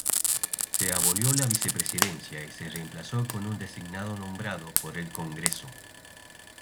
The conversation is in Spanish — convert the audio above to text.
Se abolió la Vicepresidencia y se reemplazó con un designado nombrado por el Congreso.